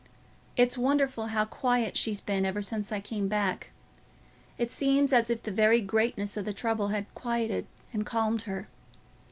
It's wonderful how quiet she's been ever since I came back. It seems as if the very greatness o' the trouble had quieted and calmed her.